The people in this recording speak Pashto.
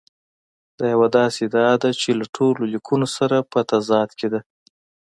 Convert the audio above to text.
دا یوه داسې ادعا ده چې له ټولو لیکونو سره په تضاد کې ده.